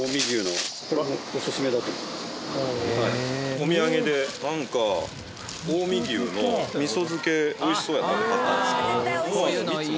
お土産でなんか近江牛の味噌漬けおいしそうやったんで買ったんですけど。